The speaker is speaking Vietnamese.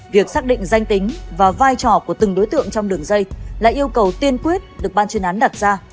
việc xác định danh tính và vai trò của từng đối tượng trong đường dây là yêu cầu tiên quyết được ban chuyên án đặt ra